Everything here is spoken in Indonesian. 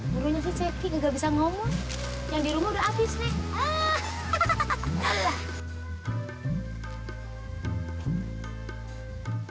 burungnya cepi nggak bisa ngomong yang dirumah udah habis nih